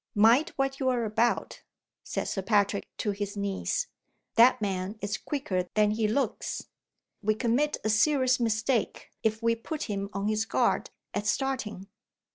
"Mind what you are about," said Sir Patrick to his niece. "That man is quicker than he looks. We commit a serious mistake if we put him on his guard at starting."